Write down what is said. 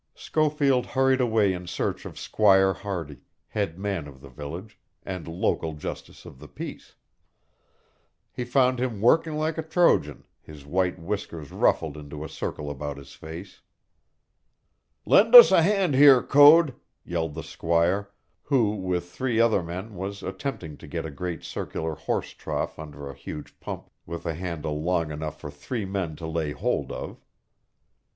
Schofield hurried away in search of Squire Hardy, head man of the village, and local justice of the peace. He found him working like a Trojan, his white whiskers ruffled into a circle about his face. "Lend us a hand here, Code," yelled the squire, who with three other men was attempting to get a great circular horse trough under a huge pump with a handle long enough for three men to lay hold of.